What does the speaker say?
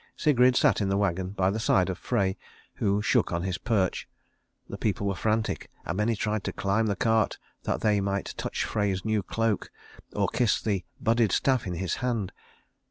Sigrid sat in the wagon by the side of Frey, who shook on his perch. The people were frantic, and many tried to climb the cart that they might touch Frey's new cloak, or kiss the budded staff in his hand.